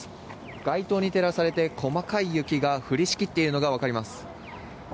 街灯に照らされて細かい雪が降りしきっているのが分かります。